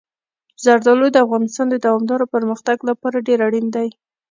زردالو د افغانستان د دوامداره پرمختګ لپاره ډېر اړین دي.